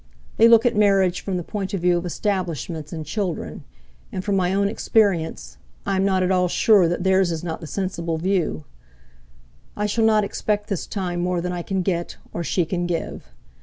They look at marriage from the point of view of establishments and children; and, from my own experience, I am not at all sure that theirs is not the sensible view. I shall not expect this time more than I can get, or she can give.